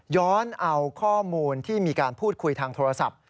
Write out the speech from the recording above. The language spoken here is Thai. ย้อนเอาข้อมูลที่มีการพูดคุยทางโทรศัพท์